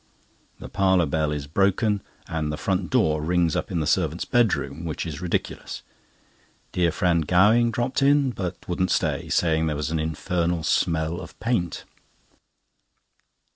The parlour bell is broken, and the front door rings up in the servant's bedroom, which is ridiculous. Dear friend Gowing dropped in, but wouldn't stay, saying there was an infernal smell of paint.